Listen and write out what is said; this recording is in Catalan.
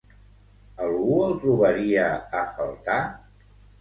Algú el trobaria a faltar?